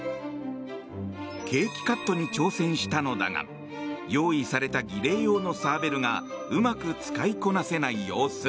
ケーキカットに挑戦したのだが用意された儀礼用のサーベルがうまく使いこなせない様子。